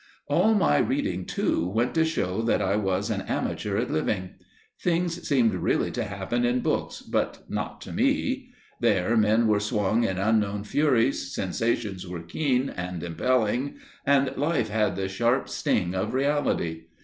All my reading, too, went to show that I was an amateur at living. Things seemed really to happen in books, but not to me; there men were swung in unknown furies, sensations were keen and impelling, and life had the sharp sting of reality.